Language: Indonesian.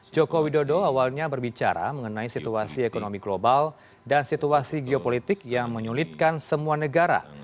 joko widodo awalnya berbicara mengenai situasi ekonomi global dan situasi geopolitik yang menyulitkan semua negara